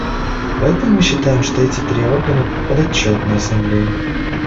Поэтому мы считаем, что эти три органа подотчетны Ассамблее.